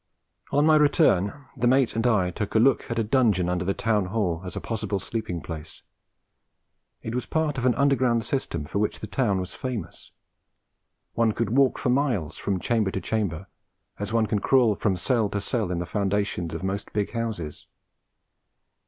On my return the mate and I had a look at a dungeon under the Town Hall, as a possible sleeping place. It was part of an underground system for which the town was famous. One could walk for miles, from chamber to chamber, as one can crawl from cell to cell in the foundations of most big houses.